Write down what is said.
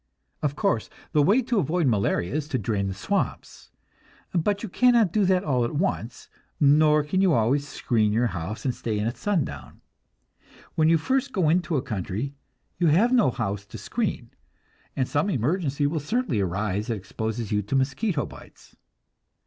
Of course, the way to avoid malaria is to drain the swamps; but you cannot do that all at once, nor can you always screen your house and stay in at sundown. When you first go into a country, you have no house to screen, and some emergency will certainly arise that exposes you to mosquito bites.